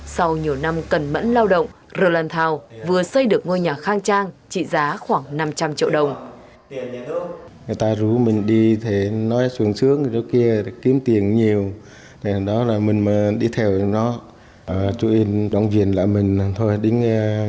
sau nhiều năm cẩn mẫn lao động rolantow vừa xây được ngôi nhà khang trang trị giá khoảng năm trăm linh triệu đồng